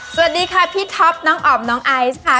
สวัสดีค่ะพี่ท็อปน้องอ๋อมน้องไอซ์ค่ะ